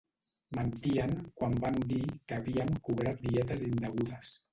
Mentien quan van dir que havíem cobrat dietes indegudes.